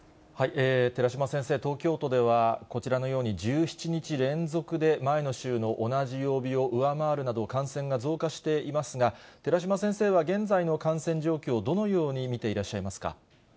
寺嶋先生、東京都ではこちらのように、１７日連続で前の週の同じ曜日を上回るなど、感染が増加していますが、寺嶋先生は現在の感染状況、どのように見ていらっしゃいますか。